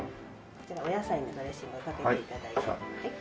こちらお野菜にドレッシングをかけて頂いて。